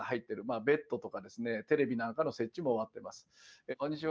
まあベッドとかですねテレビなんかの設置も終わってます。